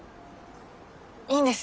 いいんです。